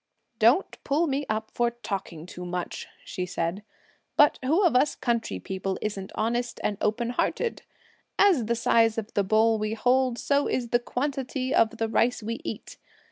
"Don't pull me up for talking too much," she said; "but who of us country people isn't honest and open hearted? As the size of the bowl we hold, so is the quantity of the rice we eat.